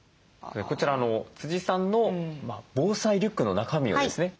こちらさんの防災リュックの中身ですね。